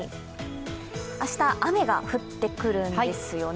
明日、雨が降ってくるんですよね。